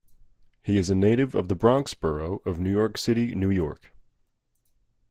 He is a native of the Bronx borough of New York City, New York.